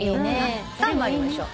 さあ参りましょう。